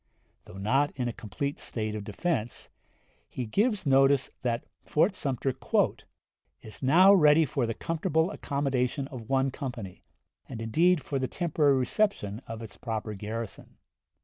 Though not in a complete state of defense, he gives notice that Fort Sumter "is now ready for the comfortable accommodation of one company, and indeed for the temporary reception of its proper garrison.